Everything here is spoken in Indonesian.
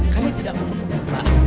kami tidak mau lupa